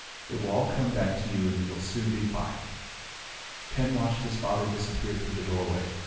"It will all come back to you and you'll soon be fine." Ken watched his father disappear through the doorway.